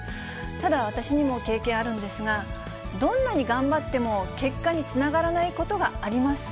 ただ、私にも経験あるんですが、どんなに頑張っても結果につながらないことがあります。